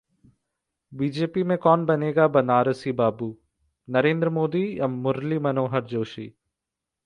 BJP में कौन बनेगा बनारसी बाबू? नरेंद्र मोदी या मुरली मनोहर जोशी